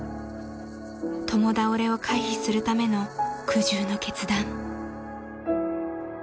［共倒れを回避するための苦渋の決断］